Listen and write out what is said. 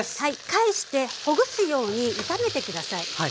返してほぐすように炒めて下さい。